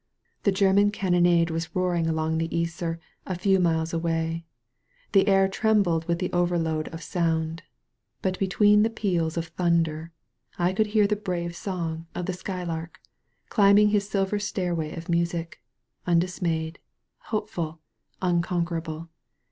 The German cannonade was roaring along the Yser a few miles away; the air trembled with the over load of sound; but between the peals of thunder I could hear the brave song of the skylark climbing his silver stairway of music, undismayed, hopeful, unconquerable.